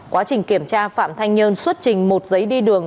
quá trình kiểm tra phạm thanh nhơn xuất trình một giấy đi đường